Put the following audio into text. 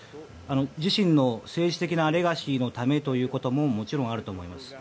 自身の政治的なレガシーのためということももちろんあると思います。